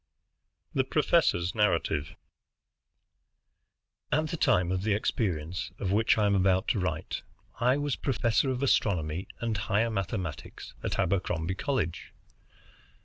THE PROFESSOR'S NARRATIVE At the time of the experience of which I am about to write, I was professor of astronomy and higher mathematics at Abercrombie College.